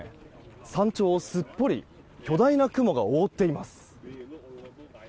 山頂をすっぽり巨大な雲が覆っています。